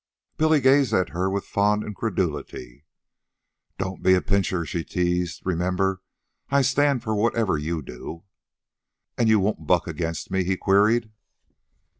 Billy gazed at her with fond incredulity. "Don't be a pincher," she teased. "Remember, I stand for whatever you do." "And you won't buck against me?" he queried.